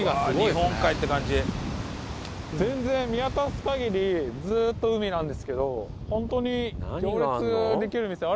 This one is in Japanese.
全然見渡す限りずーっと海なんですけど本当に行列できる店あるんですかね？